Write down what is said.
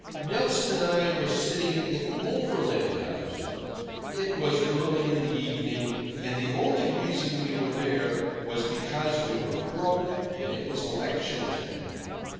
Nelson and I were sitting in the Overland House. It was early in the evening, and the only reason we were there was because we were broke and it was election time.